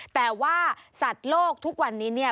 แต่ว่าสัตว์โลกทุกวันนี้เนี่ย